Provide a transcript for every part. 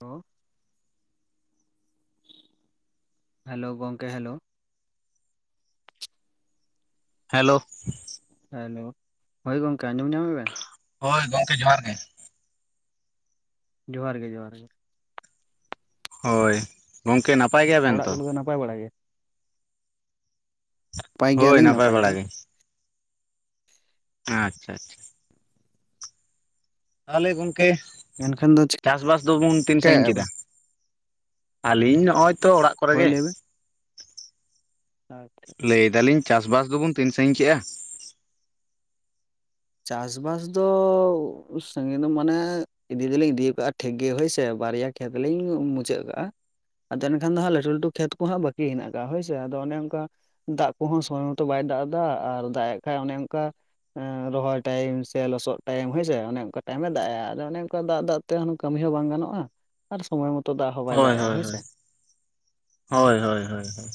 ᱦᱮ [inaudible] hello ᱜᱚᱝᱠᱮ hello hello hello ᱦᱚᱭ ᱜᱚᱢᱠᱮ ᱟᱸᱡᱚᱢ ᱧᱟᱢᱮ-ᱟ ᱵᱮᱱ? ᱦᱚᱭ ᱜᱚᱝᱠᱮ ᱡᱚᱦᱟᱨ ᱜᱮ। ᱡᱚᱦᱟᱨ ᱜᱮ ᱡᱚᱦᱟᱨ ᱜᱮ। ᱦᱳᱭ ᱜᱚᱝᱠᱮ ᱱᱟᱯᱟᱭ ᱜᱮᱭᱟᱵᱮᱱ ᱚᱲᱟᱜ ᱛᱚ? ᱠᱚᱨᱮ ᱫᱚ ᱱᱟᱯᱟᱭ ᱵᱟᱲᱟ ᱜᱮ᱾ ᱱᱟᱯᱟᱭ ᱦᱳᱭ ᱜᱮᱭᱟᱞᱤᱧ ᱱᱟᱯᱟᱭ ᱵᱟᱲᱟ ᱫᱚ ᱜᱮ। ᱟᱪᱪᱷᱟ ᱪᱷᱟ ᱛᱟᱦᱚᱞᱮ ᱜᱚᱢᱠᱮ ᱮᱱᱠᱷᱟᱱ ᱫᱚ ᱪᱟᱥᱵᱟᱥ ᱫᱚᱵᱚᱱ ᱛᱤᱱ ᱥᱟᱺᱜᱤᱧ ᱪᱤᱠᱟᱭᱮᱫᱼᱟ ᱠᱮᱫᱟ? ᱵᱮᱱ ᱟᱹᱞᱤᱧ ᱱᱚᱜᱼᱚᱭ ᱛᱚ ᱚᱲᱟᱜ ᱠᱚᱨᱮ ᱦᱳᱭ ᱜᱮ। ᱞᱟᱹᱭ ᱵᱮᱱ ᱟᱪᱪᱷᱟ [inaudible] ᱞᱟᱹᱭᱫᱟᱞᱤᱧ ᱪᱟᱥᱵᱟᱥ ᱫᱚᱵᱩᱱ ᱛᱤᱱᱧ ᱥᱟᱺᱜᱤᱧ ᱠᱮᱜᱼᱟ? ᱪᱟᱥᱵᱟᱥ ᱫᱚ ᱥᱟᱺᱜᱤᱧ ᱫᱚ ᱢᱟᱱᱮᱼ ᱤᱫᱤ ᱫᱚᱞᱤᱧ ᱤᱫᱤ ᱠᱟᱜᱼᱟ ᱴᱷᱤᱠ ᱜᱮ ᱦᱳᱭᱥᱮ ᱵᱟᱨᱭᱟ ᱠᱷᱮᱛ ᱞᱤᱧ ᱢᱩᱪᱟᱹᱫ ᱠᱟᱜᱼᱟ ᱟᱫᱚ ᱮᱱᱠᱷᱟᱱ ᱫᱚ ᱦᱟᱸᱜ ᱞᱟᱹᱴᱩ ᱞᱟᱹᱴᱩ ᱠᱷᱮᱛ ᱠᱚ ᱦᱟᱜ ᱵᱟᱹᱠᱤ ᱦᱮᱱᱟᱜ ᱠᱟᱜ-ᱟ ᱦᱳᱭ ᱥᱮ ᱟᱫᱚ ᱚᱱᱮ ᱚᱱᱠᱟ ᱫᱟᱜ ᱠᱚᱦᱚᱸ ᱥᱚᱢᱚᱭ ᱢᱚᱛᱚ ᱵᱟᱭ ᱫᱟᱜ ᱮᱫᱟ ᱟᱨ ᱫᱟᱜ ᱮᱫ ᱠᱷᱟᱡ ᱚᱱᱮ ᱚᱱᱠᱟ ᱨᱚᱦᱚᱭ ᱴᱟᱭᱤᱢ ᱥᱮ ᱞᱚᱥᱚᱫ ᱴᱟᱭᱤᱢ ᱦᱳᱭ ᱥᱮ ᱚᱱᱮ ᱚᱱᱠᱟ ᱴᱟᱭᱤᱢᱮ ᱫᱟᱜ ᱮ ᱟᱫᱚ ᱚᱱᱮ ᱚᱱᱠᱟ ᱫᱟᱜ ᱫᱟᱜ ᱛᱮ ᱠᱟᱹᱢᱤ ᱦᱚᱸ ᱵᱟᱝ ᱜᱟᱱᱚᱜᱼᱟ᱾ ᱟᱨ ᱥᱚᱢᱚᱭ ᱢᱚᱛᱚ ᱫᱟᱜ ᱦᱚᱸ ᱵᱟᱭ ᱦᱳᱭ ᱫᱟᱜ ᱮᱜᱼᱟ ᱦᱳᱭ ᱦᱳᱭᱥᱮ ᱦᱳᱭ ᱦᱳᱭ ᱦᱳᱭ ᱦᱳᱭ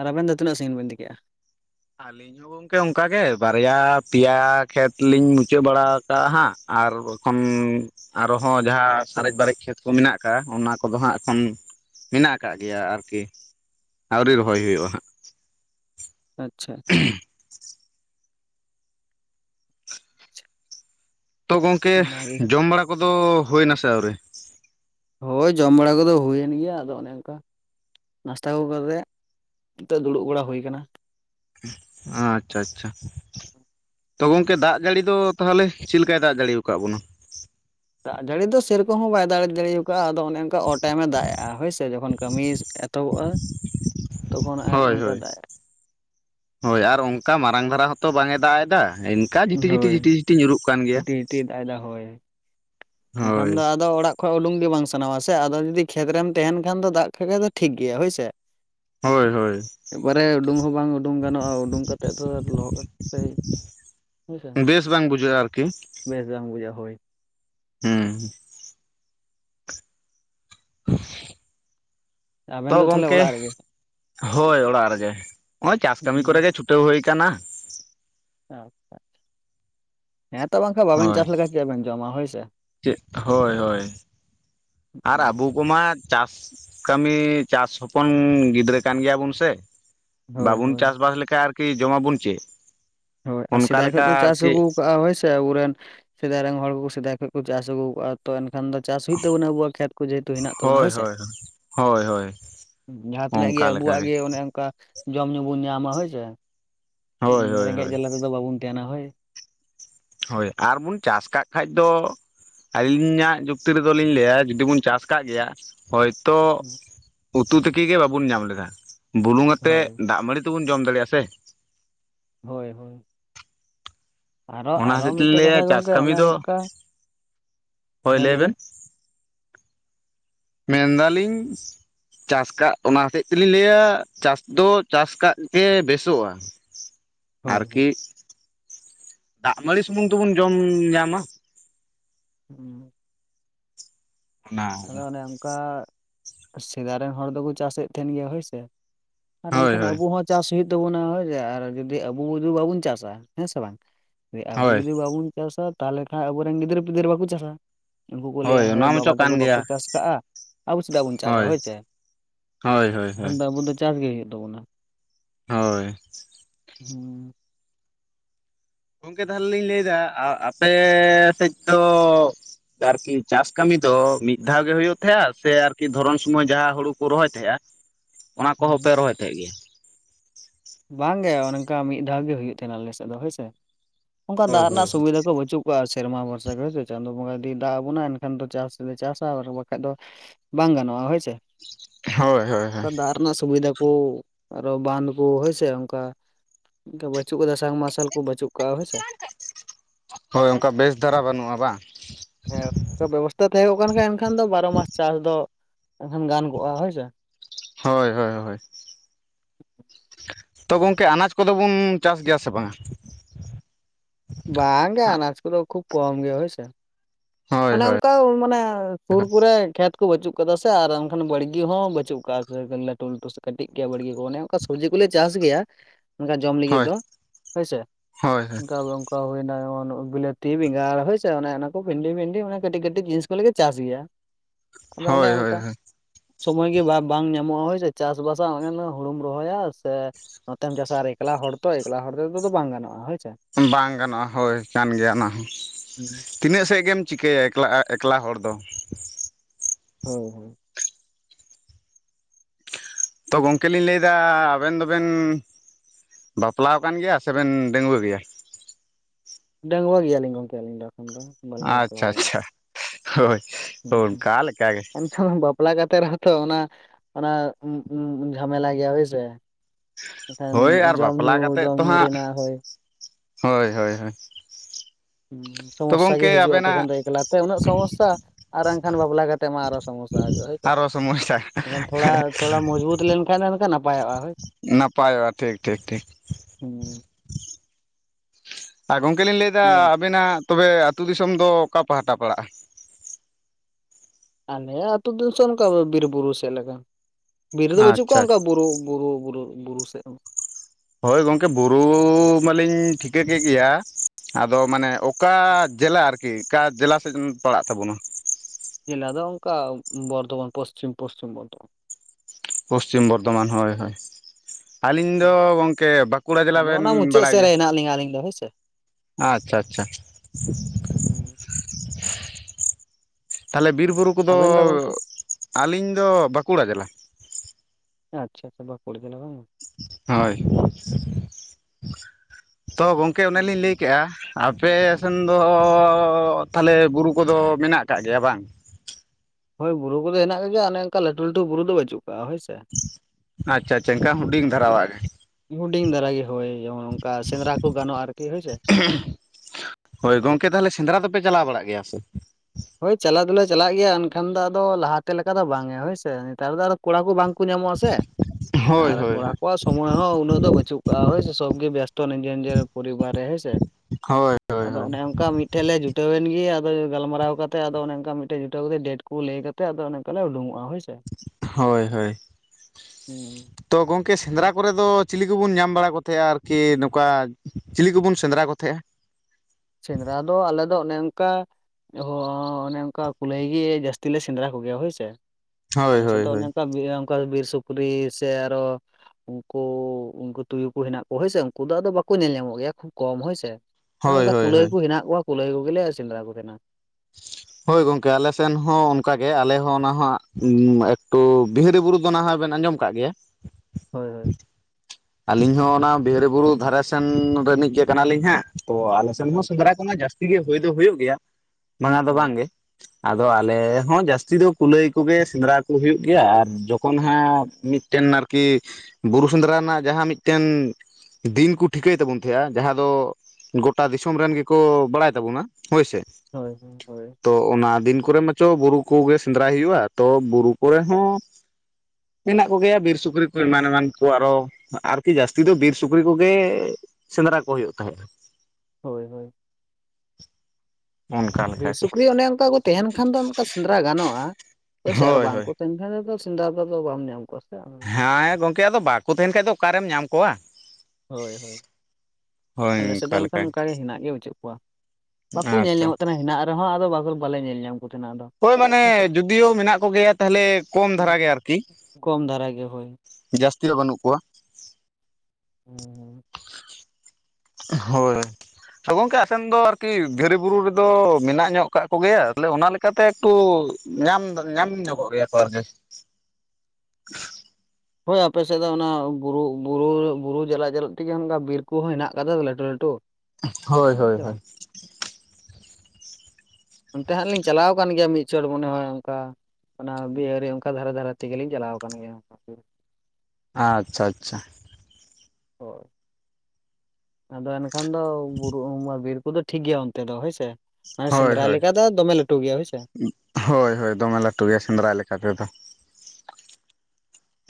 ᱟᱨ ᱟᱵᱮᱱ ᱫᱚ ᱛᱤᱱᱟᱹᱜ ᱥᱟᱹᱜᱤᱧ ᱵᱤᱱ ᱤᱫᱤ ᱠᱮᱜ-ᱟ ᱟᱹᱞᱤᱧ ᱦᱚᱸ ᱜᱚᱝᱠᱮ ᱚᱱᱠᱟ ᱜᱮ ᱵᱟᱨᱭᱟ ᱯᱮᱭᱟ ᱠᱷᱮᱛ ᱞᱤᱧ ᱢᱩᱪᱟᱹᱫ ᱵᱟᱲᱟ ᱟᱠᱟᱜ ᱦᱟᱸᱜ ᱟᱨ ᱮᱠᱷᱚᱱ ᱟᱨᱦᱚᱸ ᱡᱟᱦᱟᱸ ᱥᱟᱨᱮᱡ ᱵᱟᱨᱮᱡ ᱠᱷᱮᱛ ᱠᱚ ᱢᱮᱱᱟᱜ ᱠᱟᱜ-ᱟ, ᱚᱱᱟ ᱠᱚᱫᱚ ᱦᱟᱸᱜ ᱮᱠᱷᱚᱱ ᱢᱮᱱᱟᱜ ᱠᱟᱜ ᱜᱮᱭᱟ ᱟᱨᱠᱤ ᱟᱹᱣᱨᱤ ᱨᱚᱦᱚᱭ ᱦᱩᱭᱩᱜᱼᱟ ᱦᱟᱜ ᱟᱪᱪᱷᱟ ᱟᱪᱪᱷᱟ ᱟᱪᱪᱷᱟ ᱛᱚ ᱜᱚᱝᱠᱮ ᱚᱱᱟᱜᱮ ᱦᱟᱸᱜ᱾ ᱡᱚᱢ ᱵᱟᱲᱟ ᱠᱚᱫᱚ ᱦᱩᱭ ᱱᱟᱥᱮ ᱟᱹᱣᱨᱤ ᱦᱳᱭ ᱡᱚᱢ ᱵᱟᱲᱟ ᱠᱚᱫᱚ ᱦᱩᱭᱮᱱ ᱜᱮᱭᱟ ᱟᱫᱚ ᱚᱱᱮ ᱚᱱᱠᱟ ᱱᱟᱥᱛᱟ ᱠᱚ ᱠᱟᱛᱮᱜ ᱱᱤᱛᱚᱜ ᱫᱩᱲᱩᱵ ᱵᱟᱲᱟ ᱦᱩᱭ ᱠᱟᱱᱟ ᱟᱪᱪᱷᱟ ᱪᱷᱟ ᱛᱚ ᱜᱚᱝᱠᱮ ᱫᱟᱜ ᱡᱟᱹᱲᱤ ᱫᱚ ᱛᱟᱦᱚᱞᱮ ᱪᱮᱫ ᱞᱮᱠᱟᱭ ᱫᱟᱜ ᱡᱟᱲᱤ ᱠᱟᱜ ᱵᱚᱱᱟ ᱫᱟᱜ ᱡᱟᱹᱲᱤ ᱫᱚ ᱥᱮᱨᱚᱠᱚᱢ ᱦᱚᱸ ᱵᱟᱭ ᱫᱟᱜ ᱡᱟᱲᱤ ᱠᱟᱫᱼᱟ ᱟᱫᱚ ᱚᱱᱮ [unintelligible] ᱚ ᱴᱟᱭᱤᱢ ᱮ ᱫᱟᱜ ᱮᱜ-ᱟ ᱦᱳᱭ ᱥᱮ ᱡᱚᱠᱷᱚᱱ ᱠᱟᱹᱢᱤ ᱮᱛᱚᱦᱚᱵᱚᱜ-ᱟ ᱛᱚᱠᱷᱚᱱ ᱱᱟᱜ ᱮ ᱦᱳᱭ ᱚᱝᱠᱟ ᱦᱳᱭ ᱫᱟᱜ ᱮᱜ-ᱟ ᱦᱳᱭ ᱟᱨ ᱚᱱᱠᱟ ᱢᱟᱨᱟᱝ ᱫᱷᱟᱨᱟ ᱦᱚᱸᱛᱚ ᱵᱟᱝ ᱮ ᱫᱟᱜ ᱮᱫᱟ ᱡᱷᱤᱴᱤ ᱡᱷᱤᱴᱤ ᱦᱳᱭ ᱡᱷᱤᱴᱤ ᱡᱷᱤᱴᱤ ᱧᱩᱨᱩᱜ ᱠᱟᱱ ᱜᱮᱭᱟ᱾ ᱦᱤᱴᱤ ᱦᱤᱴᱤ ᱮᱫᱟ ᱦᱳᱭ ᱮᱱᱠᱷᱟᱱ ᱦᱳᱭ ᱫᱚ ᱟᱫᱚ ᱚᱲᱟᱜ [unintelligible] ᱩᱰᱩᱝ ᱜᱮᱵᱟᱝ ᱥᱟᱱᱟᱣᱟ ᱥᱮ ᱟᱫᱚ ᱡᱩᱫᱤ ᱠᱷᱮᱛᱨᱮᱢ ᱛᱟᱦᱮᱱ ᱠᱷᱟᱱ ᱫᱚ ᱫᱟᱜ ᱠᱷᱟᱡ ᱫᱚ ᱴᱷᱤᱠ ᱜᱮᱭᱟ ᱦᱳᱭ ᱥᱮ ᱦᱳᱭ ᱦᱳᱭ ᱮᱠᱵᱟᱨᱮ ᱩᱰᱩᱝ ᱦᱚᱸ ᱵᱟᱝ ᱩᱰᱩᱝ ᱜᱟᱱᱚᱜᱼᱟ ᱩᱰᱩᱝ ᱠᱟᱛᱮᱫ ᱫᱚ ᱞᱚᱦᱚᱫ [unintelligible] ᱦᱳᱭ ᱥᱮ ᱵᱩᱡᱷᱟᱣᱼᱟ ᱟᱨᱠᱤ ᱵᱮᱥ ᱵᱟᱝ ᱵᱩᱡᱟᱹᱜᱼᱟ ᱦᱳᱭ ᱦᱩᱸ ᱟᱵᱮᱱ ᱛᱚ ᱫᱚ ᱛᱟᱦᱚᱞᱮ ᱜᱚᱝᱠᱮ ᱚᱲᱟᱜ ᱨᱮᱜᱮ ᱦᱳᱭ ᱚᱲᱟᱜ ᱨᱮᱜᱮ ᱚᱜᱼᱚᱭ ᱪᱟᱥ ᱠᱟᱹᱢᱤ ᱠᱚᱨᱮ ᱦᱩᱸ ᱜᱮ ᱪᱷᱩ ᱴᱟᱹᱣ ᱦᱩᱭ ᱠᱟᱱᱟ ᱟᱪᱷᱟ ᱦᱮᱸ ᱛᱚ ᱵᱟᱝᱠᱷᱟᱱ ᱵᱟᱵᱮᱱ ᱦᱳᱭ ᱪᱟᱥ ᱞᱮᱠᱷᱟᱱ ᱪᱮᱫ ᱵᱮᱱ ᱡᱚᱢᱟ ᱦᱳᱭ ᱥᱮ? ᱪᱮᱫ ᱦᱳᱭ ᱦᱳᱭ ᱟᱨ ᱟᱵᱚ ᱠᱚᱢᱟ ᱪᱟᱥ ᱠᱟᱹᱢᱤ ᱪᱟᱥ ᱦᱚᱯᱚᱱ ᱜᱤᱫᱽᱨᱟᱹ ᱠᱟᱱ ᱜᱮᱭᱟᱵᱚᱱ ᱥᱮ ᱾ ᱦᱳᱭ ᱵᱟᱵᱚᱱ ᱦᱳᱭ ᱪᱟᱥᱵᱟᱥ ᱞᱮᱠᱷᱟᱡ ᱟᱨᱠᱤ ᱡᱚᱢᱟᱵᱚᱱ ᱪᱮᱜ? ᱦᱳᱭ ᱟᱨ ᱥᱮᱫᱟᱭ ᱠᱷᱚᱡ ᱠᱚ ᱪᱟᱥ ᱟᱹᱜᱩ ᱠᱟᱜᱼᱟ ᱦᱳᱭ ᱥᱮ ᱥᱮ ᱟᱵᱚᱨᱮᱱ ᱥᱮᱫᱟᱭ ᱨᱮᱱ ᱦᱚᱲ ᱠᱚ, ᱥᱮᱫᱟᱭ ᱠᱷᱚᱡ ᱠᱚ ᱪᱟᱥ ᱟᱹᱜᱩ ᱠᱟᱜ-ᱟ ᱾ ᱛᱚ ᱮᱱᱠᱷᱟᱱ ᱫᱚ ᱪᱟᱥ ᱦᱩᱭᱩᱜ ᱛᱟᱵᱚᱱᱟ ᱟᱵᱚᱣᱟᱜ ᱠᱷᱮᱛ ᱠᱚ, ᱡᱮᱦᱩᱛᱩ ᱦᱮᱱᱟᱜ ᱛᱟᱵᱚᱱᱟ ᱦᱳᱭ ᱥᱮ ᱾ ᱦᱳᱭ ᱦᱳᱭ ᱡᱟᱦᱟᱸ ᱛᱤᱱᱟᱜ ᱜᱮ ᱚᱱᱠᱟ ᱟᱵᱚᱣᱟᱜ ᱞᱮᱠᱟᱜᱮ ᱜᱮ ᱚᱱᱮ ᱚᱱᱠᱟ ᱡᱚᱢ ᱧᱩ ᱵᱚᱱ ᱧᱟᱢᱟ ᱦᱳᱭ ᱥᱮ ᱾ ᱦᱳᱭ ᱦᱳᱭ ᱨᱮᱸᱜᱮᱡ ᱦᱳᱭ ᱡᱟᱞᱟ ᱨᱮᱫᱚ ᱵᱟᱵᱚᱱ ᱛᱟᱦᱮᱱᱟ ᱦᱳᱭ ᱿ ᱦᱳᱭ ᱟᱨᱵᱚᱱ ᱪᱟᱥ ᱠᱟᱜ ᱠᱷᱟᱡ ᱫᱚ ᱟᱹᱞᱤᱧᱟᱜ ᱡᱩᱠᱛᱤ ᱨᱮᱫᱚᱞᱤᱧ ᱞᱟᱹᱭᱟ ᱡᱩᱫᱤ ᱵᱚᱱ ᱪᱟᱥ ᱠᱟᱜ ᱜᱮᱭᱟ ᱦᱚᱭᱛᱚ ᱩᱛᱩ ᱛᱤᱠᱤ ᱜᱮ ᱵᱟᱵᱩᱱ ᱧᱟᱢ ᱞᱮᱫᱟ ᱵᱩᱞᱩᱝ ᱟᱛᱮᱜ ᱦᱳᱭ ᱫᱟᱜ ᱢᱟᱹᱲᱤ ᱛᱚᱵᱚᱱ ᱡᱚᱢ ᱫᱟᱲᱮᱜᱼᱟ ᱥᱮ ᱾ ᱦᱳᱭᱻᱦᱳᱭ ᱾ ᱚᱱᱟ ᱦᱚᱛᱮᱡ ᱛᱮᱞᱤᱧ ᱢᱤᱫᱴᱮᱡ ᱞᱟᱹᱭᱟ ᱠᱟᱛᱷᱟ ᱪᱟᱥ ᱜᱚᱝᱠᱮ ᱠᱟᱹᱢᱤ ᱚᱱᱮ ᱫᱚ, ᱚᱱᱠᱟ ᱦᱳᱭ ᱞᱟᱹᱭ ᱵᱮᱱ? ᱢᱮᱱᱫᱟᱞᱤᱧ ᱪᱟᱥ ᱠᱟᱜ ᱚᱱᱟ ᱦᱚᱛᱮᱫ ᱛᱮᱞᱤᱧ ᱞᱟᱹᱭᱟ, ᱪᱟᱥ ᱫᱚ ᱪᱟᱥ ᱠᱟᱜ ᱜᱮ ᱵᱮᱥᱚᱜᱼᱟ ᱾ [inaudible] ᱟᱨᱠᱤ, ᱫᱟᱜ ᱢᱟᱹᱲᱤ ᱥᱩᱢᱩᱝ ᱛᱚᱵᱚᱱ ᱡᱚᱢ ᱧᱟᱢᱟ ᱾ ᱦᱩᱸ ᱚᱱᱟ ᱟᱫᱚ ᱚᱱᱮ ᱚᱱᱠᱟ ᱥᱮᱫᱟᱭ ᱨᱮᱱ ᱦᱚᱲ ᱫᱚᱠᱚ ᱪᱟᱥᱮᱜ ᱛᱮᱦᱮᱱ ᱜᱮᱭᱟ ᱦᱳᱭ ᱥᱮ ᱾ ᱟᱨ ᱦᱳᱭ ᱮᱱᱠᱷᱟᱱ ᱦᱳᱭ ᱟᱵᱚ ᱦᱚᱸ ᱪᱟᱥ ᱦᱩᱭᱩᱜ ᱛᱟᱵᱚᱱᱟ ᱦᱳᱭ ᱥᱮ, ᱟᱨ ᱡᱩᱫᱤ ᱟᱵᱚ ᱡᱩᱫᱤ ᱵᱟᱵᱚᱱ ᱪᱟᱥᱟ ᱦᱮᱸ ᱥᱮ ᱵᱟᱝ ᱟᱵᱚ ᱦᱳᱭ ᱡᱩᱫᱤ ᱵᱟᱵᱚᱱ ᱪᱟᱥᱟ ᱛᱟᱦᱚᱞᱮ ᱠᱷᱟᱡ ᱟᱵᱚᱨᱮᱱ ᱜᱤᱫᱟᱹᱨᱼ ᱯᱤᱫᱟᱹᱨ ᱵᱟᱠᱚ ᱪᱟᱥᱟ ᱾ ᱩᱱᱠᱩ ᱠᱚ ᱞᱟᱹᱭᱟ ᱦᱳᱭ ᱚᱱᱟ ᱵᱟᱵᱟ ᱢᱟᱪᱚ ᱛᱟᱠᱚ ᱠᱟᱱ ᱵᱟᱠᱚ ᱜᱮᱭᱟ ᱪᱟᱥ ᱠᱟᱜᱼᱟ ᱾ ᱟᱵᱚ ᱪᱮᱫᱟᱜ ᱵᱚᱱ ᱪᱟᱥᱟ ᱦᱳᱭ ᱦᱚᱭ ᱥᱮ ᱦᱳᱭ ᱦᱳᱭ ᱦᱳᱭ ᱾ ᱟᱵᱚ ᱫᱚ ᱪᱟᱥ ᱜᱮ ᱦᱩᱭᱩᱜ ᱛᱟᱵᱚᱱᱟ ᱾ ᱦᱳᱭ ᱾ ᱦᱮᱸ ᱜᱚᱝᱠᱮ ᱛᱟᱦᱚᱞᱮ ᱞᱤᱧ ᱞᱟᱹᱭᱫᱟ ᱟᱯᱮ ᱥᱮᱫ ᱫᱚ ᱟᱨᱠᱤ ᱪᱟᱥ ᱠᱟᱢᱤ ᱫᱚ ᱢᱤᱫ ᱫᱷᱟᱣ ᱜᱮ ᱦᱳᱭᱳᱜ ᱛᱟᱦᱮᱸᱜᱼᱟ, ᱥᱮ ᱟᱨᱠᱤ ᱫᱷᱚᱨᱚᱱ ᱥᱩᱚᱢᱚᱭ ᱡᱟᱦᱟᱸ ᱦᱳᱲᱳ ᱠᱚ ᱨᱚᱦᱚᱭ ᱛᱟᱦᱮᱸᱜᱼᱟ? ᱚᱱᱟ ᱦᱩᱸ ᱠᱚᱦᱚᱯᱮ ᱨᱚᱦᱚᱭ ᱛᱟᱦᱮᱸᱜ ᱜᱮᱭᱟ? ᱵᱟᱝᱜᱮ ᱚᱝᱠᱟ ᱢᱤᱫ ᱫᱷᱟᱣ ᱜᱮ ᱦᱩᱭᱩᱜ ᱛᱟᱦᱮᱸᱱᱟ ᱟᱞᱮᱥᱮᱫ ᱫᱚ ᱦᱮᱭᱥᱮ, ᱚᱱᱠᱟ ᱦᱳᱭ ᱫᱟᱜ ᱦᱳᱭ ᱨᱮᱱᱟᱜ ᱥᱩᱵᱤᱫᱟ ᱠᱚ ᱵᱟᱹᱪᱩᱜ ᱾ ᱟᱨ ᱥᱮᱨᱢᱟ ᱵᱷᱚᱨᱥᱟ ᱜᱮ ᱦᱳᱭ ᱪᱟᱸᱫᱳ ᱵᱚᱸᱜᱟ ᱡᱩᱫᱤ ᱫᱟᱜ ᱟᱵᱚᱱᱟ ᱮᱱᱠᱷᱟᱱ ᱫᱚ ᱪᱟᱥᱞ ᱞᱮ ᱪᱟᱥᱟ ᱟᱨ ᱵᱟᱠᱷᱟᱡ ᱫᱚ ᱵᱟᱝ ᱜᱟᱱᱚᱜᱼᱟ ᱦᱳᱭ ᱥᱮ ᱾ ᱦᱳᱭᱻᱦᱳᱭᱻᱦᱳᱭ ᱾ ᱨᱮᱱᱟᱜ ᱥᱩᱵᱤᱫᱟ ᱠᱚ ᱟᱨᱚ ᱵᱟᱸᱫ ᱠᱚ ᱦᱳᱭᱥᱮ ᱚᱱᱠᱟ ᱵᱟᱪᱩᱜ ᱠᱚᱫᱟ ᱥᱟᱵ ᱢᱟᱨᱥᱟᱞ ᱠᱚ ᱵᱟᱹᱪᱩᱜ ᱠᱟᱜᱼᱟ ᱦᱳᱭᱥᱮ ᱾ ᱦᱳᱭ ᱚᱱᱠᱟ ᱵᱮᱥ ᱫᱷᱟᱨᱟ ᱵᱟᱹᱱᱩᱜᱼᱟ ᱵᱟᱝ? ᱦᱮᱸ ᱚᱱᱠᱟ ᱵᱮᱵᱚᱥᱛᱟ ᱛᱟᱦᱮᱸ ᱠᱚᱜ ᱠᱟᱱ ᱠᱷᱟᱱ ᱮᱱᱠᱷᱟᱱ ᱫᱚ ᱵᱟᱨᱚ ᱢᱟᱥ ᱪᱟᱥ ᱫᱚ ᱮᱱᱠᱷᱟᱱ ᱜᱟᱱ ᱠᱚᱜᱼᱟ ᱦᱳᱭ ᱥᱮ ᱦᱳᱭᱻᱦᱳᱭᱻᱦᱳᱭ ᱾ ᱛᱚ ᱜᱚᱝᱠᱮ ᱟᱱᱟᱡ ᱠᱚᱫᱚᱵᱚᱱ ᱪᱟᱥ ᱜᱮᱭᱟ ᱥᱮ ᱵᱟᱝᱼᱟ? ᱵᱟᱝᱜᱮ ᱟᱱᱟᱡ ᱠᱚᱫᱚ ᱠᱷᱩᱵ ᱠᱚᱢ ᱜᱮ ᱦᱳᱭᱥᱮ ᱾ ᱦᱳᱭ ᱚᱱᱮ ᱦᱳᱭ ᱚᱱᱠᱟ ᱢᱟᱱᱮ ᱥᱩᱨ ᱠᱚᱨᱮ ᱠᱷᱮᱛ ᱠᱚ ᱵᱟᱹᱪᱩᱜ ᱠᱟᱫᱟ ᱥᱮ, ᱟᱨ ᱮᱱᱠᱷᱟᱱ ᱵᱟᱲᱜᱮ ᱦᱚᱸ ᱵᱟᱹᱪᱩᱜ ᱠᱟᱜᱼᱟ, ᱥᱮ ᱞᱟᱹᱴᱩ ᱞᱟᱹᱴᱩ ᱥᱮ ᱠᱟᱹᱴᱤᱡ ᱜᱮᱭᱟ ᱵᱟᱲᱜᱮ ᱠᱚ ᱚᱱᱮ ᱚᱱᱠᱟ ᱾ ᱥᱚᱵᱡᱤ ᱠᱚᱞᱮ ᱪᱟᱥ ᱜᱮᱭᱟ ᱚᱱᱠᱟ ᱡᱚᱢ ᱞᱟᱹᱜᱤᱫ ᱦᱳᱭ ᱫᱚ ᱦᱮᱭᱥᱮ, ᱦᱳᱭ ᱚᱱᱠᱟ ᱫᱚ ᱵᱟᱝ ᱦᱩᱭᱱᱟ [unintelligible] ᱵᱤᱞᱟᱹᱛᱤ ᱵᱮᱸᱜᱟᱲ ᱦᱳᱭᱥᱮ ᱚᱱᱮ ᱚᱱᱟ ᱠᱚ ᱵᱷᱮᱱᱰᱤ ᱢᱮᱱᱰᱤ ᱚᱱᱮ, ᱠᱟᱹᱴᱤᱡ ᱠᱟᱹᱴᱤᱡ ᱡᱤᱱᱤᱥ ᱠᱚᱞᱮᱜᱮ ᱪᱟᱥ ᱜᱮᱭᱟ ᱾ ᱟᱫᱚ ᱚᱱᱮ ᱦᱳᱭ ᱚᱱᱠᱟ ᱦᱳᱭ ᱾ ᱥᱚᱢᱚᱭ ᱜᱮ ᱵᱟᱝ ᱧᱟᱢᱚᱜᱼᱟ, ᱦᱳᱭᱥᱮ ᱪᱟᱥᱵᱟᱥᱟ ᱚᱱᱮ ᱚᱱᱟ ᱦᱩᱲᱩᱢ ᱨᱚᱦᱚᱭᱟ ᱥᱮ ᱱᱚᱛᱮᱢ ᱪᱟᱥᱟ ᱟᱨ ᱮᱠᱞᱟ ᱦᱚᱲ ᱛᱚ ᱮᱠᱞᱟ ᱦᱚᱲ ᱛᱮᱫᱚ ᱵᱟᱝ ᱜᱟᱱᱚᱜᱼᱟ, ᱦᱳᱭ ᱥᱮ ᱾ ᱵᱟᱝ ᱜᱟᱱᱚᱜᱼᱟ ᱦᱳᱭ ᱠᱟᱱ ᱜᱮᱭᱟ ᱚᱱᱟ ᱦᱚᱸ᱾ ᱦᱮᱸ ᱛᱤᱱᱟᱹᱜ ᱥᱮᱫ ᱜᱮᱢ ᱪᱤᱠᱟᱹᱭᱟ ᱮᱠᱞᱟ ᱮᱠᱞᱟ ᱦᱚᱲ ᱫᱚ᱾ ᱦᱮᱸ ᱦᱮᱸ ᱛᱚ ᱜᱚᱝᱠᱮ ᱞᱤᱧ ᱞᱟᱹᱭᱮᱫᱟ ᱟᱵᱮᱱ ᱫᱚᱵᱮᱱ ᱵᱟᱯᱞᱟ ᱟᱠᱟᱱ ᱜᱮᱭᱟ ᱥᱮᱵᱮᱱ ᱰᱟᱺᱜᱩᱣᱟᱹ ᱜᱮᱭᱟ? ᱰᱺᱝᱩᱣᱟᱹ ᱜᱮᱭᱟᱞᱤᱧ ᱜᱚᱢᱠᱮ ᱟᱹᱞᱤᱧ ᱮᱠᱷᱚᱱ ᱫᱚ᱾ ᱵᱟᱹᱞᱤᱧ ᱵᱟᱯᱞᱟ ᱟᱪᱪᱷᱟ ᱟᱪᱷᱟ ᱦᱳᱭ ᱟᱠᱟᱱᱟ ᱳᱝᱠᱟ ᱞᱮᱠᱟ ᱜᱮ᱾ ᱵᱟᱯᱞᱟ ᱠᱟᱛᱮ ᱨᱮᱦᱚᱸ ᱛᱚ ᱚᱱᱟ ᱚᱱᱟ ᱩᱸᱜ ᱩᱸ ᱡᱷᱟᱢᱮᱞᱟ ᱜᱮᱭᱟ ᱦᱳᱭ ᱥᱮ? ᱮᱱᱠᱷᱟᱱ ᱦᱳᱭ ᱟᱨ ᱡᱚᱢ ᱵᱟᱯᱞᱟ ᱧᱩ ᱠᱟᱛᱮᱫ ᱡᱚᱢ ᱛᱚ ᱧᱩ ᱦᱟᱸᱜ ᱨᱮᱱᱟᱜ ᱦᱚᱭ ᱦᱳᱭ ᱦᱳᱭ ᱦᱸ ᱛᱚ ᱥᱚᱢᱚᱥᱥᱟ ᱜᱮ ᱜᱚᱝᱠᱮ ᱦᱤᱡᱩᱜᱼᱟ ᱛᱚᱠᱷᱚᱱ ᱟᱵᱮᱱᱟᱜ ᱫᱚ ᱮᱠᱞᱟ ᱛᱮ ᱩᱱᱟᱹᱜ ᱥᱚᱢᱚᱥᱥᱟ ᱟᱨ ᱮᱱᱠᱷᱟᱱ ᱵᱟᱯᱞᱟ ᱠᱟᱛᱮᱫ ᱢᱟ ᱟᱨᱚ ᱥᱚᱢᱚᱥᱥᱟ ᱦᱤᱡᱩᱜ-ᱟ ᱦᱳᱭ ᱥᱮ? ᱟᱪᱷᱟ [unintelligible] ᱛᱷᱚᱲᱟ ᱢᱡᱽᱵᱩᱛ ᱞᱮᱱᱠᱷᱟᱱ ᱫᱚ ᱮᱠᱷᱟᱱ ᱱᱟᱯᱟᱭᱚᱜᱼᱟ ᱦᱳ᱾ ᱱᱟᱯᱟᱭᱚᱜᱼᱟ ᱴᱷᱤᱠ ᱴᱷᱤᱠ ᱴᱷᱤᱠ ᱦᱩᱸ᱾ ᱟᱨ ᱜᱚᱢᱠᱮ ᱞᱤᱧ ᱞᱟᱹᱭᱮᱫᱟ ᱟᱵᱮᱱᱟᱜ ᱛᱚᱵᱮ ᱟᱹᱛᱩ ᱫᱤᱥᱚᱢ ᱫᱚ ᱚᱠᱟ ᱯᱟᱦᱴᱟ ᱯᱟᱲᱟᱜᱼᱟ? ᱟᱞᱮ ᱟᱹᱛᱩ ᱫᱚ ᱥᱮᱱ ᱚᱱᱠᱟ ᱵᱤᱨ ᱵᱩᱨᱩ ᱥᱮᱫ ᱞᱮᱠᱟ᱾ ᱵᱤᱨ ᱨᱮᱫᱚ ᱵᱟᱹᱪᱩᱜ ᱠᱟᱜᱼᱟ ᱟᱪᱪᱷᱟ ᱚᱱᱠᱟ ᱵᱩᱨᱩ ᱵᱩᱨᱩ ᱵᱩᱨᱩ ᱵᱩᱨᱩ ᱥᱮᱫ᱾ ᱦᱚᱸ ᱦᱳᱭ ᱜᱚᱝᱠᱮ ᱵᱩᱨᱩ ᱢᱟᱞᱤᱧ ᱴᱷᱤᱠᱟᱹ ᱠᱮᱫ ᱜᱮᱭᱟ ᱟᱫᱚ ᱢᱟᱱᱮ ᱚᱠᱟ ᱡᱮᱞᱟ ᱟᱨᱠᱤ ᱚᱠᱟ ᱡᱮᱞᱟ ᱥᱮᱫ ᱯᱟᱲᱟᱜ ᱛᱟᱵᱚᱱᱟ? ᱡᱮᱞᱟ ᱫᱚ ᱚᱱᱠᱟ ᱵᱚᱨᱫᱷᱚᱢᱟᱱ ᱯᱚᱥᱪᱤᱢ ᱯᱚᱥᱪᱤᱢ ᱵᱚᱨᱫᱷᱚᱢᱟᱱ ᱾ ᱯᱚᱥᱪᱷᱤᱢ ᱵᱚᱨᱫᱷᱚᱢᱟᱱ ᱦᱳᱭ ᱦᱳᱭ ᱾ ᱟᱹᱞᱤᱧ ᱫᱚ ᱦᱳᱭ᱾ ᱜᱚᱝᱠᱮ ᱵᱟᱸᱠᱩᱲᱟ ᱡᱮᱞᱟ ᱟᱫᱚ ᱵᱮᱱ ᱚᱱᱟ ᱢᱩᱪᱟᱹᱫ ᱵᱟᱲᱟᱭ ᱥᱮᱫ ᱨᱮ ᱜᱮᱭᱟ ᱾ ᱦᱮᱱᱟᱜ ᱞᱤᱧᱟ ᱟᱹᱞᱤᱧ ᱫᱚ ᱦᱳᱭᱥᱮ ᱟᱪᱪᱷᱟ ᱟᱪᱪᱷᱟ ᱾ ᱦᱮᱸ ᱾ ᱛᱟᱦᱚᱞᱮ ᱵᱤᱨ ᱵᱩᱨᱩ ᱠᱚᱫᱚ ᱟᱵᱮᱱ ᱫᱚ ᱜᱚᱝᱠᱮ ᱟᱹᱞᱤᱧ ᱫᱚ ᱵᱟᱸᱠᱩᱲᱟ ᱡᱮᱞᱟ ᱾ ᱟᱪᱷᱟ ᱟᱪᱷᱟ ᱾ ᱵᱟᱸᱠᱩᱲᱟ ᱡᱮᱞᱟ ᱵᱟᱝ ᱾ ᱦᱳᱭ ᱾ ᱛᱚ ᱜᱚᱝᱠᱮ ᱚᱱᱮ ᱞᱤᱧ ᱞᱟᱹᱭ ᱠᱮᱜᱼᱟ ᱟᱯ ᱥᱮᱱ ᱫᱚ ᱛᱟᱦᱚᱞᱮ ᱵᱩᱨᱩ ᱠᱚᱫᱚ ᱢᱮᱱᱟᱜ ᱟᱠᱟᱫ ᱜᱮᱭᱟ ᱵᱟᱝ? ᱦᱳᱭ ᱾ ᱵᱩᱨᱩ ᱠᱚᱫᱚ ᱦᱮᱱᱟᱜ ᱜᱮᱭᱟ ᱚᱱᱮ ᱚᱱᱠᱟ ᱞᱟᱹᱴᱩ ᱞᱟᱹᱴᱩ ᱵᱩᱨᱩ ᱫᱚ ᱵᱟᱹᱪᱩᱜ ᱠᱟᱜᱼᱟ ᱦᱳᱭ ᱥᱮ ᱟᱪᱪᱷᱟ ᱟᱪᱷᱟ ᱾ ᱤᱱᱠᱟ ᱦᱩᱰᱤᱧ ᱫᱷᱟᱨᱟᱣ ᱟᱜ ᱜᱮ ᱾ ᱦᱩᱰᱤᱧ ᱫᱷᱟᱨᱟ ᱜᱮ ᱦᱳᱭ ᱡᱮᱢᱚᱱ ᱚᱱᱠᱟ ᱥᱮᱸᱫᱽᱨᱟ ᱠᱚ ᱜᱟᱱᱚᱜᱼᱟ ᱟᱨᱠᱤ ᱦᱳᱭ ᱥᱮ ᱦᱳᱭ ᱜᱚᱝᱠᱮ ᱛᱟᱦᱚᱞᱮ ᱥᱮᱸᱫᱽᱨᱟ ᱫᱚᱯᱮ ᱪᱟᱞᱟᱣ ᱵᱟᱲᱟᱜ ᱜᱮᱭᱟ ᱥᱮ? ᱦᱳᱭ ᱪᱟᱞᱟᱜ ᱫᱚᱞᱮ ᱪᱟᱞᱟᱜ ᱜᱮᱭᱟ ᱮᱱᱠᱷᱟᱱ ᱫᱚ ᱟᱫᱚ ᱞᱟᱦᱟᱛᱮ ᱞᱮᱠᱟ ᱫᱚ ᱵᱟᱝ ᱜᱮ ᱦᱳᱭ ᱥᱮ ᱱᱮᱛᱟᱨ ᱫᱚ ᱠᱚᱲᱟ ᱠᱚ ᱵᱟᱝ ᱾ ᱧᱟᱢᱚᱜᱼᱟ ᱥᱮ ᱦᱳᱭ ᱟᱨ ᱦᱳᱭ ᱠᱚᱲᱟ ᱦᱳᱭ ᱠᱚᱣᱟᱜ ᱥᱚᱢᱚᱭ ᱦᱚᱸ ᱩᱱᱟᱹᱜ ᱫᱚ ᱵᱟᱹᱪᱩᱜ ᱠᱟᱜᱼᱟ ᱦᱳᱭ ᱥᱮ ᱥᱚᱵᱽ ᱜᱮ ᱵᱮᱥᱛᱚ ᱱᱤᱡᱮᱨ ᱱᱤᱡᱮᱨ ᱯᱚᱨᱤᱵᱟᱨ ᱨᱮ ᱦᱮᱸᱥᱮ ᱦᱳᱭ ᱾ ᱟᱫᱚ ᱚᱱᱮ ᱚᱱᱠᱟ ᱢᱤᱫ ᱴᱷᱮᱱ ᱞᱮ ᱡᱩᱴᱟᱹᱣ ᱮᱱ ᱜᱮ ᱟᱫᱚ ᱜᱟᱞᱢᱟᱨᱟᱣ ᱠᱟᱛᱮ ᱟᱫᱚ ᱚᱱᱮ ᱚᱱᱠᱟ ᱢᱤᱫᱴᱮᱡ ᱡᱩᱴᱟᱹ ᱠᱟᱛᱮ ᱰᱮᱴ ᱠᱚ ᱞᱟᱹᱭ ᱠᱟᱛᱮ ᱟᱫᱚ ᱚᱱᱠᱟ ᱞᱮ ᱩᱰᱩᱝᱚᱜᱼᱟ ᱦᱳᱭ ᱥᱮ ᱦᱳᱭ ᱦᱳᱭ ᱾ ᱦᱩᱸ ᱾ ᱛᱚ ᱜᱚᱝᱠᱮ ᱥᱮᱸᱫᱽᱨᱟ ᱠᱚᱨᱮᱫ ᱫᱚ ᱪᱤᱞᱤ ᱠᱚᱵᱚᱱ ᱧᱟᱢ ᱵᱟᱲᱟ ᱠᱚ ᱛᱟᱦᱮᱸᱜᱼᱟ ᱟᱨᱠᱤ ᱱᱚᱝᱠᱟ ᱪᱤᱞᱤ ᱠᱚᱵᱚᱱ ᱥᱮᱸᱫᱽᱨᱟ ᱠᱚ ᱛᱟᱦᱮᱸᱜᱼᱟ? ᱥᱮᱸᱫᱽᱨᱟ ᱫᱚ ᱟᱞᱮ ᱫᱚ ᱚᱱᱮ ᱚᱱᱠᱟ ᱚ ᱚᱱᱮ ᱚᱱᱠᱟ ᱠᱩᱞᱦᱟᱹᱭ ᱜᱮ ᱡᱟᱹᱥᱛᱤ ᱞᱮ ᱥᱮᱸᱫᱽᱨᱟ ᱠᱚᱜᱮᱭᱟ ᱦᱳᱭ ᱥᱮ ᱦᱳᱭ ᱟᱞᱮ ᱥᱮᱫ ᱦᱳᱭ ᱫᱚ ᱚᱱᱮ ᱦᱳᱭ ᱚᱱᱠᱟ ᱾ ᱚᱱᱠᱟ ᱵᱤᱨ ᱥᱩᱠᱨᱤ ᱥᱮ ᱟᱨᱚ ᱩᱱᱠᱩ ᱩᱱᱠᱩ ᱛᱩᱭᱩ ᱠᱚ ᱦᱮᱱᱟᱜ ᱠᱚᱣᱟ ᱦᱳᱭ ᱥᱮ ᱩᱱᱠᱩ ᱫᱚ ᱟᱫᱚ ᱵᱟᱠᱚ ᱧᱮᱞ ᱧᱟᱢᱚᱜ ᱜᱮᱭᱟ ᱠᱷᱩᱵ ᱠᱚᱢ ᱦᱳᱭ ᱥᱮ ᱦᱳᱭ ᱦᱳᱭ ᱦᱳᱭ ᱾ ᱦᱮᱱᱟᱜ ᱠᱚᱣᱟ ᱠᱩᱞᱦᱟᱹᱭ ᱠᱚ ᱜᱮ ᱞᱮ ᱥᱮᱸᱫᱽᱨᱟ ᱠᱚ ᱛᱟᱦᱮᱱᱟ ᱾ ᱦᱳᱭ ᱜᱚᱝᱠᱮ ᱟᱞᱮ ᱥᱮᱱ ᱦᱚᱸ ᱚᱱᱠᱟ ᱜᱮ ᱟᱞᱮ ᱦᱚᱸ ᱚᱱᱟ ᱦᱚᱸ ᱦᱟᱸᱜ ᱮᱠᱴᱩ ᱵᱤᱦᱤᱨᱤ ᱵᱩᱨᱩ ᱫᱚ ᱱᱟᱦᱟᱜ ᱵᱮᱱ ᱟᱸᱡᱚᱢ ᱟᱠᱟᱫ ᱜᱮᱭᱟ ᱦᱳᱭ ᱦᱳᱭ ᱾ ᱟᱹᱞᱤᱧ ᱦᱚᱸ ᱚᱱᱟ ᱵᱤᱦᱤᱨᱤ ᱵᱩᱨᱩ ᱫᱷᱟᱨᱮ ᱥᱮᱱ ᱨᱤᱱᱤᱡ ᱜᱮ ᱠᱟᱱᱟ ᱞᱤᱧ ᱦᱟᱸᱜ ᱛᱚ ᱟᱞᱮ ᱡᱚᱱᱢᱚ ᱦᱳᱭ ᱥᱮᱸᱫᱽᱨᱟ ᱠᱚᱢᱟ ᱡᱟᱹᱥᱛᱤ ᱜᱮ ᱦᱩᱭ ᱫᱚ ᱦᱩᱭᱩᱜ ᱜᱮᱭᱟ ᱵᱟᱝ ᱫᱚ ᱵᱟᱝ ᱦᱳᱭ ᱜᱮ ᱟᱫᱚ ᱟᱞᱮ ᱦᱚᱸ ᱡᱟᱹᱥᱛᱤ ᱫᱚ ᱠᱩᱞᱟᱹᱭ ᱠᱚᱜᱮ ᱥᱮᱸᱫᱽᱨᱟ ᱠᱚ ᱦᱩᱭᱩᱜ ᱜᱮᱭᱟ ᱟᱨ ᱡᱚᱠᱷᱚᱱ ᱦᱟᱸᱜ ᱢᱤᱫᱴᱮᱱ ᱟᱨᱠᱤ ᱵᱩᱨᱩ ᱥᱮᱸᱫᱽᱨᱟ ᱨᱮᱱᱟᱜ ᱡᱟᱦᱟᱸ ᱢᱤᱫᱴᱟᱝ ᱫᱤᱱ ᱠᱚ ᱴᱷᱤᱠᱟᱹᱭ ᱛᱟᱵᱚᱱ ᱛᱟᱦᱮᱸᱜᱼᱟ ᱡᱟᱦᱟᱸ ᱫᱚ ᱜᱚᱴᱟ ᱫᱤᱥᱚᱢ ᱨᱮᱱ ᱜᱮᱠᱚ ᱵᱟᱲᱟᱭ ᱛᱟᱵᱚᱱᱟ ᱦᱳᱭ ᱥᱮ ᱦᱳᱭ ᱦᱳᱭ ᱾ ᱛᱚ ᱚᱱᱟ ᱫᱤᱱ ᱠᱚᱨᱮ ᱢᱟᱪᱚ ᱵᱩᱨᱩ ᱠᱚᱜᱮ ᱥᱮᱸᱫᱽᱨᱟᱭ ᱦᱩᱭᱩᱜᱼᱟ ᱛᱚ ᱵᱩᱨᱩ ᱠᱚᱨᱮ ᱦᱚᱸ ᱢᱮᱱᱟᱜ ᱠᱚ ᱜᱮᱭᱟ ᱵᱤᱨ ᱥᱩᱠᱨᱤ ᱠᱚ ᱮᱢᱟᱱ ᱮᱢᱟᱱ ᱠᱚ ᱟᱨᱚ ᱟᱨᱠᱤ ᱡᱟᱹᱥᱛᱤ ᱫᱚ ᱵᱤᱨ ᱥᱩᱠᱨᱤ ᱠᱚᱜᱮ ᱥᱮᱸᱫᱽᱨᱟ ᱠᱚ ᱦᱩᱭᱩᱜ ᱛᱟᱦᱮᱸᱫᱼᱟ ᱾ ᱦᱳᱭ ᱦᱳᱭ ᱾ ᱚᱱᱠᱟ ᱞᱮᱠᱟ ᱜᱮ ᱵᱤᱨᱼᱥᱩᱠᱨᱤ ᱚᱱᱮ ᱚᱱᱠᱟ ᱠᱚ ᱛᱮᱦᱮᱱ ᱠᱷᱟᱱ ᱫᱚ ᱚᱱᱠᱟ ᱥᱮᱸᱫᱽᱨᱟ ᱜᱟᱱᱚᱜᱼᱟ ᱦᱳᱭ ᱥᱮ ᱟᱨ ᱵᱟᱝ ᱠᱚ ᱮᱱᱠᱷᱟᱱ ᱨᱮᱦᱚ ᱥᱮᱸᱫᱽᱨᱟ ᱛᱚ ᱟᱫᱚ ᱵᱟᱢ ᱧᱟᱢ ᱠᱚᱣᱟ ᱥᱮ ᱦᱮᱸ ᱜᱚᱢᱠᱮ ᱟᱫᱚ ᱵᱟᱠᱚ ᱛᱟᱦᱮᱱ ᱠᱷᱟᱡ ᱫᱚ ᱚᱠᱟᱨᱮᱢ ᱧᱟᱢ ᱠᱚᱣᱟ? ᱦᱳᱭ ᱦᱳᱭ ᱟᱞᱮ ᱥᱮᱫ ᱫᱚ ᱮᱱᱠᱷᱟᱱ ᱚᱱᱠᱟ ᱜᱮ ᱦᱮᱱᱟᱜ ᱜᱮ ᱵᱟᱪᱩᱜ ᱠᱚᱣᱟ᱾ ᱵᱟᱠᱚ ᱧᱮᱞ ᱟᱪᱪᱷᱟ ᱧᱟᱢᱚᱜ ᱛᱟᱦᱮᱱᱟ ᱦᱮᱱᱟᱜ ᱨᱮᱦᱚᱸ ᱟᱫᱚ ᱵᱟ ᱵᱟᱞᱮ ᱧᱮᱞ ᱧᱟᱢ ᱠᱚ ᱛᱟᱦᱮᱱᱟ ᱟᱫᱚ᱾ ᱦᱳᱭ ᱢᱟᱱᱮ, ᱦᱮᱸᱥᱮ ᱡᱩᱫᱤᱭᱳ ᱢᱮᱱᱟᱜ ᱠᱚᱜᱮᱭᱟ ᱛᱟᱦᱚᱞᱮ ᱠᱚᱢ ᱫᱷᱟᱨᱟ ᱜᱮ ᱟᱨᱠᱤ᱾ ᱠᱚᱢ ᱫᱷᱟᱨᱟ ᱜᱮ ᱦᱳᱭ᱾ ᱡᱟᱹᱥᱛᱤ ᱫᱚ ᱵᱟᱹᱱᱩᱜ ᱠᱚᱣᱟ᱾ [unintelligible] ᱦᱳᱭ ᱟ ᱜᱚᱝᱠᱮ ᱟᱥᱮᱱ ᱫᱚ ᱟᱨᱠᱤ ᱫᱷᱟᱹᱨᱤ ᱵᱩᱨᱩ ᱨᱮᱫᱚ ᱢᱮᱱᱟᱜ ᱧᱚᱜ ᱠᱟᱜ ᱠᱚᱜᱮᱭᱟ ᱛᱟᱦᱚᱞᱮ ᱚᱱᱟ ᱞᱮᱠ ᱪᱤᱠᱟᱛᱮ ᱮᱠᱴᱩ ᱧᱟᱢ ᱧᱟᱢ ᱧᱚᱜᱚᱜ ᱜᱮᱭᱟ ᱠᱚ ᱟᱨ ᱪᱮᱫ ᱞᱮᱠᱟ ᱾ [inaudible] ᱦᱳᱭ ᱟᱯᱮ ᱥᱮᱫ ᱫᱚ ᱚᱱᱟ ᱵᱩᱨᱩ ᱵᱩᱨᱩ ᱵᱩᱨᱩ ᱡᱟᱞᱟᱛ ᱡᱟᱞᱟᱛ ᱛᱮᱜᱮ ᱚᱱᱠᱟ ᱵᱤᱨ ᱠᱚᱦᱚᱸ ᱦᱮᱱᱟᱜ ᱟᱠᱟᱫᱟ ᱞᱟᱹᱴᱩ ᱞᱟᱹᱴᱩ᱾ ᱦᱳᱭ ᱦᱳᱭ ᱥᱮ ᱵᱟᱝ ᱦᱳᱭ᱾ ᱚᱱᱛᱮ ᱦᱟᱸᱜ ᱞᱤᱧ ᱪᱟᱞᱟᱣ ᱟᱠᱟᱱ ᱜᱮᱭᱟ ᱢᱤᱫ ᱪᱟᱹᱲ ᱢᱚᱱᱮ ᱦᱚᱭ ᱚᱱᱠᱟ᱾ ᱚᱱᱟ ᱵᱤᱦᱟᱹᱨᱤ ᱚᱱᱠᱟ ᱫᱷᱟᱨᱮ ᱫᱷᱟᱨᱮ ᱛᱮᱜᱮᱞᱤᱧ ᱪᱟᱞᱟᱣ ᱟᱠᱟᱱ ᱜᱮᱭᱟ᱾ ᱟᱪᱪᱷᱟ ᱟᱪᱪᱷᱟ᱾ ᱦᱳᱭ ᱟᱫᱚ ᱮᱱᱠᱷᱟᱱ ᱫᱚ ᱵᱩᱨᱩ ᱚᱢᱵᱟ ᱵᱤᱨ ᱠᱚᱫᱚ ᱴᱷᱤᱠ ᱜᱮᱭᱟ ᱚᱱᱛᱮ ᱫᱚ ᱦᱳᱭ ᱥᱮ᱾ ᱢᱟᱱᱮ ᱦᱳᱭ ᱥᱮᱸᱫᱽᱨᱟ ᱦᱳᱭ ᱞᱮᱠᱟ ᱫᱚ ᱫᱚᱢᱮ ᱞᱟᱹᱴᱩ ᱜᱮᱭᱟ ᱦᱳᱭᱥᱮ᱾ ᱦᱳᱭ ᱦᱳᱭ ᱫᱚᱢᱮ ᱞᱟᱹᱴᱩ ᱜᱮᱭᱟ ᱥᱮᱸᱫᱽᱨᱟ ᱞᱮᱠᱟ ᱛᱮᱫᱚ᱾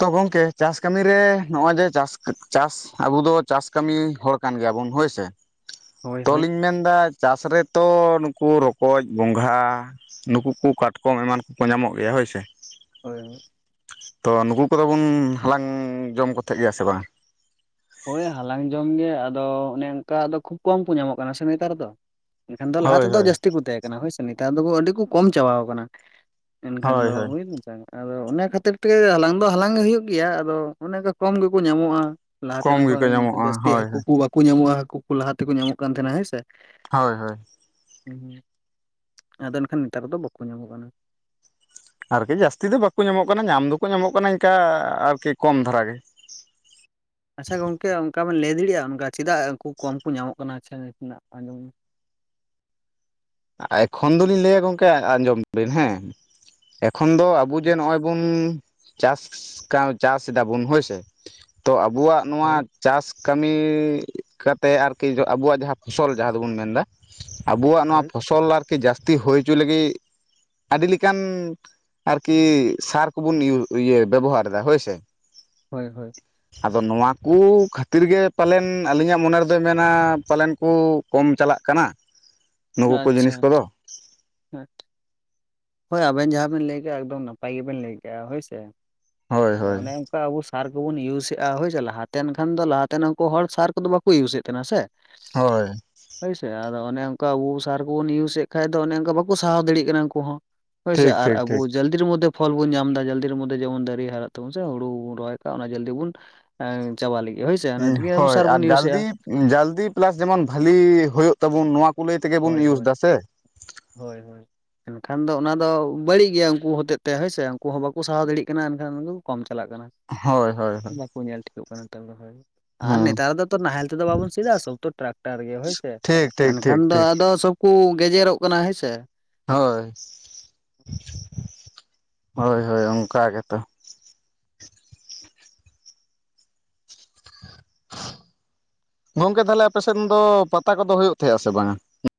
ᱛᱚ ᱜᱚᱝᱠᱮ ᱪᱟᱥ ᱠᱟᱹᱢᱤ ᱨᱮ ᱱᱚᱜ ᱚᱭ ᱡᱮ ᱪᱟᱥ ᱪᱟᱥ ᱟᱵᱚ ᱫᱚ ᱪᱟᱥ ᱠᱟᱹᱢᱤ ᱦᱚᱲ ᱠᱟᱱ ᱜᱮᱭᱟᱵᱚᱱ ᱦᱳᱭᱥᱮ ᱦᱳᱭ ᱦᱳᱭ ᱛᱚᱞᱤᱧ ᱢᱮᱱᱫᱟ᱾ ᱪᱟᱥ ᱨᱮᱛᱚ ᱱᱩᱠᱩ ᱨᱚᱠᱚᱡ ᱜᱚᱸᱜᱷᱟ ᱱᱩᱠᱩ ᱠᱚ ᱠᱟᱴᱠᱚᱢ ᱮᱢᱟᱱ ᱠᱚᱠᱚ ᱧᱟᱢᱚᱜ ᱜᱮᱭᱟ ᱦᱳᱭ ᱥᱮ᱾ ᱦᱳᱭ ᱦᱳᱭ᱾ ᱛᱚ ᱱᱩᱠᱩ ᱠᱚᱫᱚ ᱵᱚᱱ ᱦᱟᱞᱟᱝ ᱡᱚᱢ ᱠᱚ ᱛᱟᱦᱮᱜ ᱜᱮᱭᱟ ᱥᱮ ᱵᱟᱝ ᱦᱳᱭ ᱦᱟᱞᱟᱝ ᱡᱚᱢ ᱜᱮ, ᱟᱫᱚ ᱚᱱᱮ ᱚᱱᱠᱟ ᱫᱚ ᱠᱷᱩᱵ ᱠᱚᱢ ᱠᱚ ᱧᱟᱢᱚᱜ ᱠᱟᱱᱟ ᱥᱮ ᱱᱮᱛᱟᱨ ᱫᱚ ᱾ ᱮᱱᱠᱷᱟᱱ ᱫᱚ ᱞᱟᱦᱟ ᱦᱳᱭ ᱛᱮᱫᱚ ᱦᱳᱭ ᱡᱟᱹᱥᱛᱤ ᱠᱚ ᱛᱟᱦᱮᱸ ᱠᱟᱱᱟ᱾ ᱦᱳᱭᱥᱮ ᱱᱮᱛᱟᱨ ᱫᱚ ᱟᱹᱰᱤ ᱠᱚ ᱠᱚᱢ ᱪᱟᱵᱟᱣ ᱠᱟᱱᱟ᱾ ᱮᱱᱠᱷᱟᱱ ᱦᱳᱭ ᱫᱚ ᱦᱳᱭ ᱦᱩᱭᱱᱟ ᱥᱮᱼᱟ ᱟᱫᱚ ᱚᱱᱟ ᱠᱷᱟᱹᱛᱤᱨ ᱛᱮᱜᱮ ᱦᱟᱞᱟᱝ ᱫᱚ ᱦᱟᱞᱟᱝ ᱜᱮ ᱦᱩᱭᱩᱜ ᱜᱮᱭᱟ, ᱟᱫᱚ ᱚᱱᱮ ᱠᱚᱢ ᱜᱮᱠᱚ ᱧᱟᱢᱚᱜᱼᱟ᱾ ᱠᱚᱢ ᱞᱟᱦᱟᱛᱮᱱ ᱜᱮᱠᱚ ᱠᱷᱚᱱ ᱧᱟᱢᱚᱜᱼᱟ ᱡᱟᱹᱥᱛᱤ ᱦᱳᱭ ᱦᱟᱹᱠᱩ ᱦᱳᱭ ᱠᱚ ᱵᱟᱠᱚ ᱧᱟᱢᱚᱜ-ᱟ, ᱦᱟᱹᱠᱩ ᱠᱚ ᱞᱟᱦᱟ ᱛᱮᱠᱚ ᱧᱟᱢᱚᱜ ᱠᱟᱱ ᱛᱟᱦᱮᱱᱟ ᱦᱮᱸ ᱥᱮ᱾ ᱦᱳᱭ ᱦᱳᱭ ᱟᱫᱚ ᱮᱱᱠᱷᱟᱱ ᱱᱮᱛᱟᱨ ᱫᱚ ᱵᱟᱠᱚ ᱧᱟᱢᱚᱜ ᱠᱟᱱᱟ᱾ ᱟᱨᱠᱤ ᱡᱟᱹᱥᱛᱤ ᱫᱚ ᱵᱟᱠᱚ ᱧᱟᱢᱚᱜ ᱠᱟᱱᱟ᱾ ᱧᱟᱢ ᱫᱚᱠᱚ ᱧᱟᱢᱚᱜ ᱠᱟᱱᱟ ᱤᱱᱠᱟ ᱟᱨᱠᱤ ᱠᱚᱢ ᱫᱷᱟᱨᱟ ᱜᱮ᱾ ᱟᱪᱪᱷᱟ ᱜᱚᱝᱠᱮ ᱚᱱᱠᱟ ᱵᱮᱱ ᱞᱟᱹᱭ ᱫᱟᱲᱮᱭᱟᱜᱼᱟ, ᱚᱱᱠᱟ ᱪᱮᱫᱟᱜ ᱠᱚᱢ ᱠᱚ ᱧᱟᱢᱚᱜ ᱠᱟᱱᱟ᱾ᱤᱱᱟᱹᱜ ᱟᱸᱡᱚᱢ ᱮᱠᱷᱚᱱ ᱫᱚᱞᱤᱧ ᱞᱟᱹᱭᱟ ᱜᱚᱝᱠᱮ ᱟᱸᱡᱚᱢ ᱵᱮᱱ ᱦᱮᱸ, ᱮᱠᱷᱚᱱ ᱫᱚ ᱟᱵᱚ ᱡᱮ ᱱᱚᱜᱚᱭ ᱵᱩᱱ ᱪᱟᱥ ᱠᱟᱱ ᱪᱟᱥ ᱫᱟᱵᱩᱱ ᱦᱳᱭᱥᱮ᱾ᱛᱚ ᱟᱵᱩᱣᱟᱜ ᱱᱚᱣᱟ ᱦᱳᱭ ᱪᱟᱥ ᱠᱟᱹᱢᱤ ᱠᱟᱛᱮ ᱟᱨᱠᱤ ᱟᱵᱚᱣᱟᱜ ᱡᱟᱦᱟᱸ ᱯᱷᱚᱥᱚᱞ ᱡᱟᱦᱟᱸ ᱫᱚᱵᱚᱱ ᱢᱮᱱ ᱫᱟ, ᱟᱵᱚᱣᱟᱜ ᱱᱚᱣᱟ ᱦᱳᱭ ᱯᱷᱚᱥᱚᱞ ᱟᱨᱠᱤ ᱡᱟᱹᱥᱛᱤ ᱦᱩᱭ ᱦᱚᱪᱚ ᱞᱟᱹᱜᱤᱫ ᱟᱹᱰᱤ ᱞᱮᱠᱟᱱ ᱟᱨᱠᱤ ᱥᱟᱨ ᱠᱚᱵᱚᱱ ᱵᱮᱵᱚᱦᱟᱨ ᱫᱟ ᱦᱳᱭᱥᱮ᱾ ᱦᱳᱭ ᱦᱳᱭ᱾ ᱟᱫᱚ ᱱᱚᱣᱟᱠᱚ ᱠᱷᱟᱹᱛᱤᱨ ᱜᱮ ᱯᱟᱞᱮᱱ ᱟᱹᱞᱤᱧᱟᱜ ᱢᱚᱱᱮ ᱨᱮᱫᱚᱭ ᱢᱮᱱᱟ ᱯᱟᱞᱮᱱ ᱠᱩ ᱠᱚᱢ ᱪᱟᱞᱟᱜ ᱠᱟᱱᱟ ᱱᱩᱠᱩ ᱠᱚ ᱡᱤᱱᱤᱥ ᱠᱚᱫᱚ᱾ ᱦᱮᱸ᱾ ᱦᱳᱭ ᱟᱵᱮᱱ ᱡᱟᱦᱟᱸ ᱵᱮᱱ ᱞᱟᱹᱭ ᱠᱮᱜᱼᱟ ᱮᱠᱫᱚᱢ ᱱᱟᱯᱟᱭ ᱜᱮᱵᱮᱱ ᱞᱟᱹᱭ ᱠᱮᱜᱼᱟ ᱦᱳᱭ ᱥᱮ, ᱦᱳᱭ ᱫᱚ ᱦᱳᱭ ᱚᱱᱮ ᱟᱵᱚ ᱥᱟᱨ ᱠᱚᱵᱚᱱ ᱤᱭᱩᱡᱮᱫ-ᱟ ᱦᱳᱭ ᱥᱮ ᱞᱟᱦᱟᱛᱮᱱ ᱠᱷᱟᱱ ᱫᱚ ᱞᱟᱦᱟ ᱛᱮᱱᱠᱩ ᱦᱚᱲ ᱥᱟᱨ ᱠᱚᱫᱚ ᱵᱟᱠᱚ ᱤᱭᱩᱡᱮᱫ ᱛᱟᱦᱮᱱᱟ ᱥᱮ᱾ ᱦᱳᱭ᱾ ᱦᱳᱭ ᱥᱮ ᱟᱫᱚ ᱚᱱᱮ ᱚᱱᱠᱟ ᱟᱵᱚ ᱥᱟᱨ ᱠᱚᱵᱚ ᱤᱭᱩᱡᱮᱫ ᱠᱷᱟᱱ ᱫᱚ ᱚᱱᱮ ᱚᱱᱠᱟ ᱵᱟᱠᱚ ᱥᱟᱦᱟᱣ ᱫᱟᱲᱮᱭᱟᱜ ᱠᱟᱱᱟ ᱩᱱᱠᱩ ᱦᱚᱸ᱾ ᱦᱳᱭ ᱥᱮ ᱴᱷᱤᱠ ᱟᱨ ᱴᱷᱤᱠ ᱴᱷᱤᱠ ᱟᱵᱚ ᱡᱟᱞ ᱡᱟᱞᱫᱤᱨ ᱢᱚᱫᱽᱫᱷᱮ ᱯᱷᱚᱞ ᱵᱚᱱ ᱧᱟᱢᱫᱟ ᱡᱚᱞᱫᱤ ᱢᱚᱫᱽᱫᱷᱮᱚᱱ ᱫᱟᱨᱮ ᱦᱟᱨᱟ ᱛᱟ ᱵᱚᱱ ᱥᱮ ᱦᱩᱨᱩ ᱵᱚᱱ ᱨᱚᱦᱚᱭᱟᱜ-ᱟ ᱚᱱᱟ ᱡᱚᱞᱫᱤ ᱵᱚᱱ ᱮᱸ ᱪᱟᱵᱟᱜ ᱞᱟᱹᱜᱤᱫ ᱦᱳᱭᱥᱮ ᱚᱱᱟ ᱛᱮᱜᱮ ᱟᱵᱚ ᱥᱟᱨ ᱵᱚᱱ ᱤᱭᱩᱡᱮᱫ-ᱟ᱾ ᱡᱚᱹᱞᱫᱤ ᱯᱮᱞᱟᱥ ᱡᱮᱢᱚᱱ ᱵᱷᱟᱞᱤ ᱦᱳᱭᱳᱜ ᱛᱟᱵᱩᱱ ᱱᱚᱣᱟ ᱠᱚ ᱞᱟᱹᱭ ᱛᱮᱜᱮ ᱵᱚᱱ ᱦᱳᱭ ᱤᱭᱩᱡᱽ ᱦᱳᱭ ᱫᱟ ᱥᱮ? ᱦᱳᱭ ᱦᱳᱭ᱾ ᱮᱱᱠᱷᱟᱱ ᱫᱚ ᱚᱱᱟ ᱫᱚ ᱵᱟᱹᱲᱤᱡ ᱜᱮᱭᱟ ᱩᱱᱠᱩ ᱦᱚᱛᱮᱡ ᱛᱮ ᱦᱳᱭ ᱥᱮ, ᱩᱱᱠᱩ ᱦᱚᱸ ᱵᱟᱠᱚ ᱥᱟᱦᱟᱣ ᱫᱟᱲᱮᱭᱟᱜ ᱠᱟᱱᱟ ᱮᱱᱠᱷᱟᱱ ᱠᱚᱢ ᱪᱟᱞᱟᱜ ᱠᱟᱱᱟ᱾ ᱦᱳᱭ ᱦᱳᱭ ᱦᱳᱭ᱾ ᱠᱚ ᱧᱮᱞ ᱴᱷᱤᱠᱚᱜ ᱠᱟᱱᱟ ᱛᱟᱞᱮ ᱦᱳᱭ᱾ ᱟᱨ ᱱᱮᱛᱟᱨ ᱫᱚ ᱱᱟᱦᱮᱞ ᱛᱮᱫᱚ ᱵᱟᱵᱚᱱ ᱥᱮᱫᱟᱜ-ᱟ ᱥᱳᱭᱛᱚ ᱴᱨᱟᱠᱴᱟᱨ ᱜᱮ ᱦᱳᱭᱥᱮ, ᱴᱷᱤᱠ ᱴᱷᱤᱠ ᱮᱱᱠᱷᱟᱱ ᱴᱷᱤᱠ ᱫᱚ ᱴᱷᱤᱠ ᱟᱫᱚ ᱥᱚᱵ ᱠᱚ ᱜᱮᱡᱮᱨᱚᱜ ᱠᱟᱱᱟ ᱦᱳᱭ ᱥᱮ᱾ ᱦᱳᱭ ᱦᱳᱭ ᱦᱳᱭ, ᱚᱱᱠᱟ ᱜᱮᱛᱚ᱾ ᱜᱚᱝᱠᱮ ᱛᱟᱦᱞᱮ ᱟᱯᱮ ᱥᱮᱫ ᱫᱚ ᱯᱟᱛᱟ ᱠᱚᱫᱚ ᱦᱩᱭᱩᱜ ᱛᱟᱦᱮᱸᱜᱼᱟ ᱥᱮ ᱵᱟᱝ?